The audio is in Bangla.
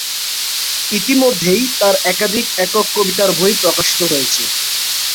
ইতিমধ্যেই তার একাধিক একক কবিতার বই প্রকাশিত হয়েছে।